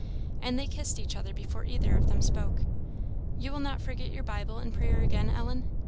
And they kissed each other before either of them spoke. "You will not forget your Bible and prayer again, Ellen?"